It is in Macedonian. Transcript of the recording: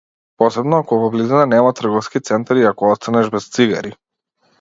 Посебно ако во близина нема трговски центар и ако останеш без цигари.